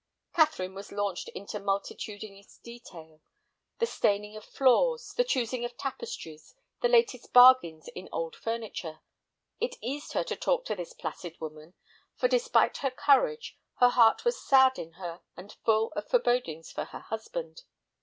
Catherine was launched into multitudinous details—the staining of floors, the choosing of tapestries, the latest bargains in old furniture. It eased her to talk to this placid woman, for, despite her courage, her heart was sad in her and full of forebodings for her husband.